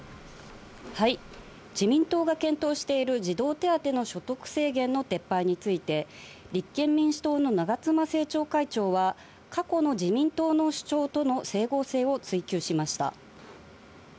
自民党が検討している児童手当の所得制限の撤廃について、立憲民主党の長妻政調会長は過去の自民党の主張との整合性を追及しました。